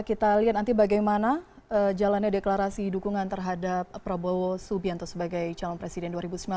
kita lihat nanti bagaimana jalannya deklarasi dukungan terhadap prabowo subianto sebagai calon presiden dua ribu sembilan belas